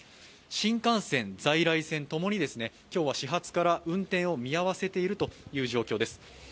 新幹線、在来線ともに今日は始発から運転を見合わせているという状況です。